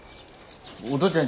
お父ちゃん